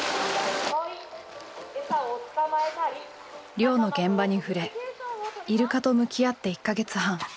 漁の現場に触れイルカと向き合って１か月半。